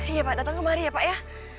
iya pak datang kemari ya pak ya